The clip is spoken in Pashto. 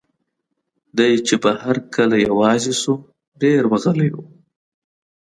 دی چې به هر کله یوازې شو، ډېر به غلی و.